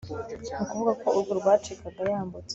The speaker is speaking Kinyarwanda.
ni ukuvuga ko urwo rwacikaga yambutse